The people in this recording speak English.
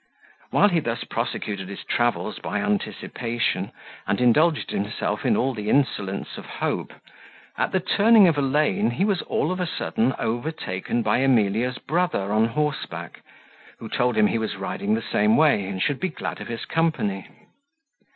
While he thus prosecuted his travels by anticipation, and indulged himself in all the insolence of hope, at the turning of a lane he was all of a sudden overtaken by Emilia's brother on horseback, who told him he was riding the same way, and should be glad of his company.